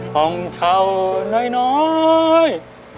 ห้องเช่าน้อย